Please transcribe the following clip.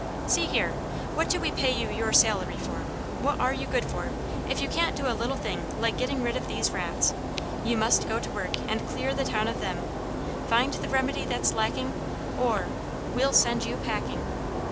"See here, what do we pay you your salary for? What are you good for, if you can't do a little thing like getting rid of these rats? You must go to work and clear the town of them; find the remedy that's lacking, or we'll send you packing!"